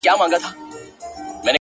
د كار نه دى نور ټوله شاعري ورځيني پاته’